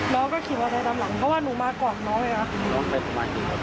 น้องก็ขี่ฝั่งใส่ฝั่งหลังเพราะว่าหนูมาก่อนน้องไงครับ